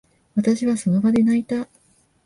私は、その場で泣いた。